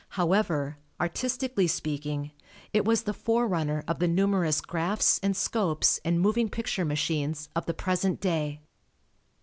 However, artistically speaking, it was the forerunner of the numerous "graphs" and "scopes" and moving picture machines of the present day.